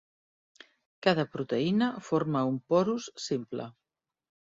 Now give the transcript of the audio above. Cada proteïna forma un porus simple.